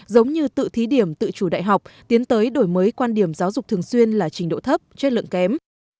giống như tự thí điểm tự chủ đại học tiến tới đổi mới quan điểm giáo dục thường xuyên là trình độ thấp chất lượng kém